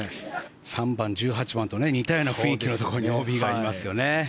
３番、１８番と似たような雰囲気のところにＯＢがありますよね。